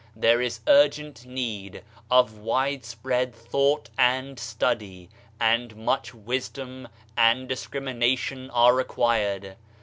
There is urgent need of widespread thought and study; and much wisdom and discrimination are required.